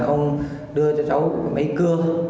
ông đưa cho cháu máy cưa